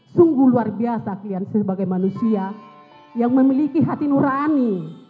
sungguh luar biasa kalian sebagai manusia yang memiliki hati nurani